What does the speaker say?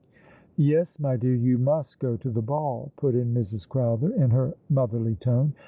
*' Yes, my dear, you must go to the ball," put in Mrs. Crowther, in her motherly tone.